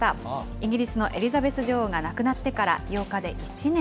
イギリスのエリザベス女王が亡くなってから８日で１年。